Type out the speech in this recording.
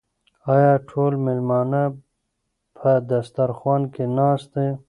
آیا ټول مېلمانه په دسترخوان کې ناست دي؟